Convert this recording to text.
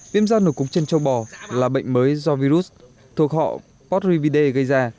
viêm da nổi cục trên châu bò là bệnh mới do virus thuộc họ potrivide gây ra